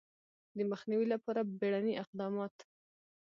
د مخنیوي لپاره بیړني اقدامات